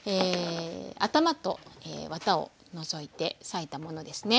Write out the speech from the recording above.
頭とワタを除いて裂いたものですね。